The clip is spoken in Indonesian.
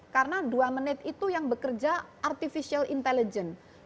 karena dua menit itu yang bekerja artificial intelligence